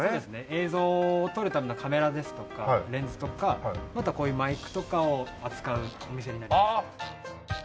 映像を撮るためのカメラですとかレンズとかあとはこういうマイクとかを扱うお店になります。